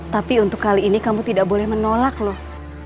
tapi untuk kali ini kamu tidak boleh menolak loh